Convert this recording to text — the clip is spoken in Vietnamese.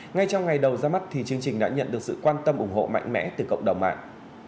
ngay trong ngày đầu ra mắt thì chương trình đã nhận được sự quan tâm ủng hộ mạnh mẽ từ cộng đồng mạng